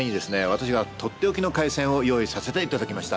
私がとっておきの海鮮を用意させていただきました。